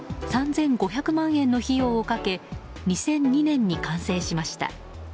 ３５００万円の費用をかけ２００２年に完成しました。